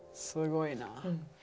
すごいな。